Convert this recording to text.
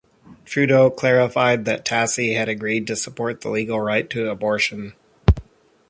Trudeau clarified that Tassi had agreed to support the legal right to abortion.